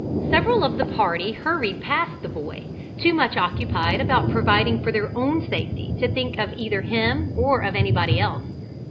Several of the party hurried past the boy, too much occupied about providing for their own safety to think either of him or of anybody else.